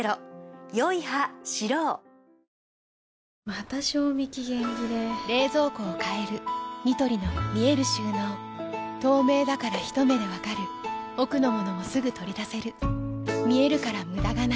また賞味期限切れ冷蔵庫を変えるニトリの見える収納透明だからひと目で分かる奥の物もすぐ取り出せる見えるから無駄がないよし。